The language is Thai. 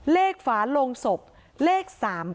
เลขฝาลงศพเลข๓๙